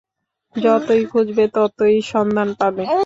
যতোই খুঁজবে, ততোই সন্ধান পাবে।